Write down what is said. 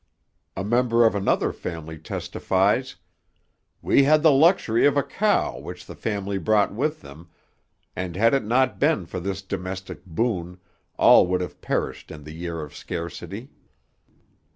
A member of another family testifies: 'We had the luxury of a cow which the family brought with them, and had it not been for this domestic boon, all would have perished in the year of scarcity.'